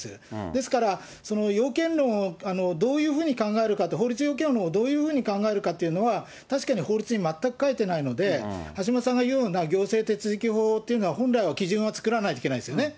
ですから、その要件論をどういうふうに考えるかって、法律要件をどういうふうに考えるかっていうのは、確かに法律に全く書いてないので、橋下さんが言うような行政手続法っていうのは、本来は基準は作らないといけないんですよね。